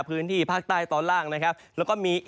พื้นที่ภาคใต้ตอนล่างนะครับแล้วก็มี